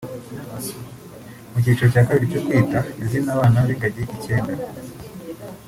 Mu cyiciro cya kabiri cyo kwita izina abana b’ingagi icyenda